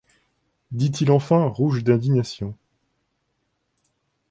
dit-il enfin, rouge d’indignation.